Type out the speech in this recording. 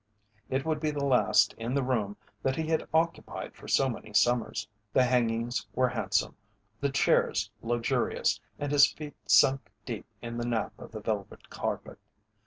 It would be the last in the room that he had occupied for so many summers. The hangings were handsome, the chairs luxurious, and his feet sunk deep in the nap of the velvet carpet.